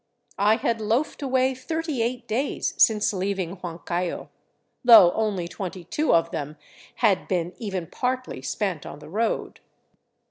I had loafed away thirty eight days since leaving Huancayo, though only twenty two of them had been even partly spent on the road.